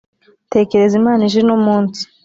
Tekereza Imana ije uno munsi.